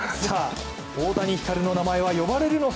大谷輝龍の名前は呼ばれるのか。